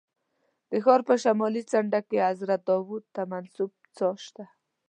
د ښار په شمالي څنډه کې حضرت داود ته منسوب څاه شته.